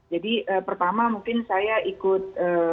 jadi pertama mungkin saya ikut